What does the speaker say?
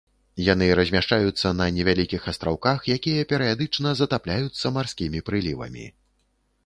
Яны размяшчаюцца на невялікіх астраўках, якія перыядычна затапляюцца марскімі прылівамі.